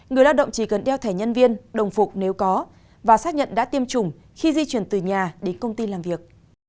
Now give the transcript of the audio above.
người lao động chỉ cần đeo thẻ nhân viên đồng phục nếu có và xác nhận đã tiêm chủng khi di chuyển từ nhà đến công ty làm việc